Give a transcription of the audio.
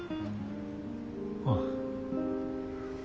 ああ。